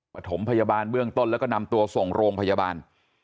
ประถมพยาบาลเบื้องต้นแล้วก็นำตัวส่งโรงพยาบาล